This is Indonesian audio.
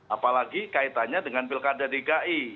apalagi kaitannya dengan pilkada dki